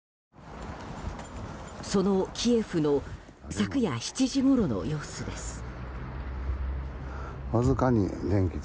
そのキエフの昨夜７時ごろの様子です。